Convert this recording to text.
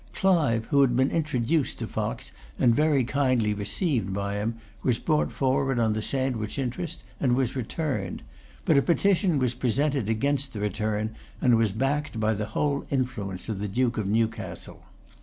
Clive, who had been introduced to Fox, and very kindly received by him, was brought forward on the Sandwich interest, and was returned. But a petition was presented against the return, and was backed by the whole influence of the Duke of Newcastle.